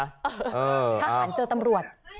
ข้างหลังเจอตำรวจ